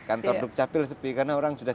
kantor duk capil sepi karena orang sudah